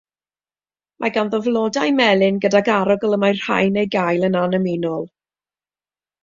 Mae ganddo flodau melyn gydag arogl y mae rhai'n ei gael yn annymunol.